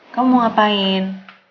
kamu mau ngapain